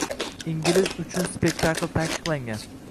Ingiz uchun spektakl taqiqlangan.